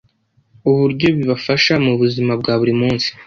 uburyo bibafasha mu buzima bwa buri munsi